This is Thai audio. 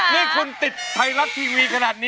ร้องได้ให้ร้าน